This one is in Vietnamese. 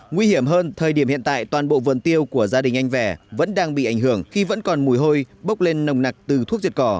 nguy hiểm hơn thời điểm hiện tại toàn bộ vườn tiêu của gia đình anh vẻ vẫn đang bị ảnh hưởng khi vẫn còn mùi hôi bốc lên nồng nặc từ thuốc diệt cỏ